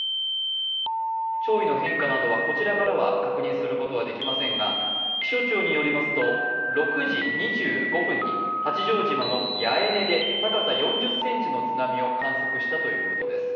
潮位の変化などはこちらからは確認することができませんが、気象庁によりますと６時２５分に八丈島で八重根で高さ４０ｃｍの津波を観測したということです。